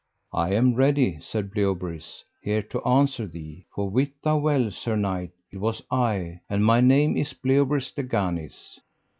I am ready, said Bleoberis, here to answer thee, for wit thou well, sir knight, it was I, and my name is Bleoberis de Ganis.